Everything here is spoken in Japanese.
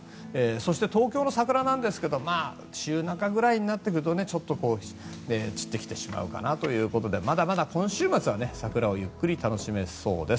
そして、東京の桜ですが週中ぐらいになってくるとちょっと散ってきてしまうかなということでまだまだ今週末は桜をゆっくり楽しめそうです。